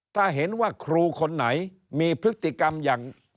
ถ้าเห็นว่าครูคนไหนมีพฤติกรรมอย่าง